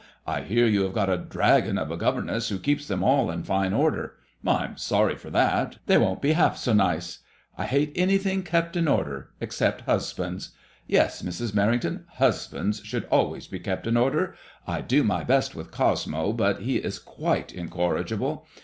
I hear you have got a dragon of a governess who keeps them all in fine order. I am sorry for that ; they won't be half so nice. I hate anything kept in order — except husbands. Yes, Mrs. Merrington, husbands should al ways be kept in order. I do my best with Cosmo, but he is quite incorrigible.